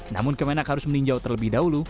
namun kemenak harus meninjau terlebih dahulu